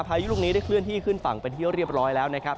พายุลูกนี้ได้เคลื่อนที่ขึ้นฝั่งเป็นที่เรียบร้อยแล้วนะครับ